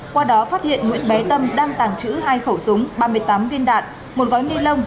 qua đó phát hiện nguyễn bé tâm đang tàng trữ hai khẩu súng ba mươi tám viên đạn một gói ni lông